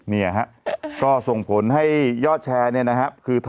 เนี่ยฮะก็ส่งผลให้ยอดแชร์เนี่ยนะครับ